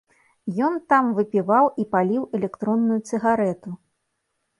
Ён там выпіваў і паліў электронную цыгарэту.